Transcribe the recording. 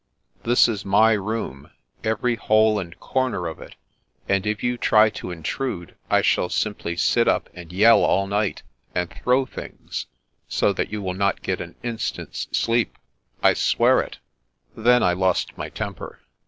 " This is my room, every hole and comer of it, and if you try to intrude, I shall simply sit up and yell all night, and throw things, so that you will not get an instant's sleep. I swear it'* Then I lost my temper.